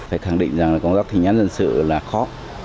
phải khẳng định rằng công tác thi hành án dân sự là khó